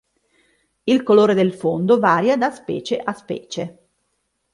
Il colore del fondo varia da specie a specie.